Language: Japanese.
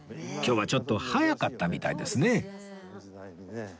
今日はちょっと早かったみたいですね